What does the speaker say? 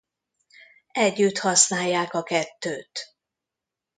Együtt használják a kettőt.